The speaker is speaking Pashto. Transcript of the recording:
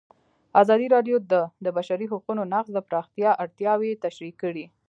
ازادي راډیو د د بشري حقونو نقض د پراختیا اړتیاوې تشریح کړي.